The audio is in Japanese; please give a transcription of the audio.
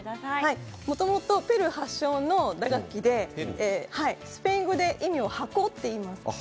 もともとペルー発祥の打楽器でスペイン語で意味を箱といいます。